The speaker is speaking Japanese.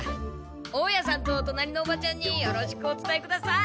大家さんと隣のおばちゃんによろしくおつたえください。